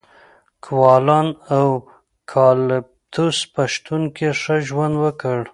کوالان د اوکالیپتوس په شتون کې ښه ژوند وکړ.